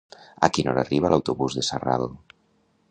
A quina hora arriba l'autobús de Sarral?